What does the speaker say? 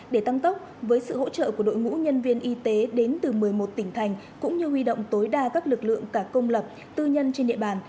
để tăng tốc với sự hỗ trợ của đội ngũ nhân viên y tế đến từ một mươi một tỉnh thành cũng như huy động tối đa các lực lượng cả công lập tư nhân trên địa bàn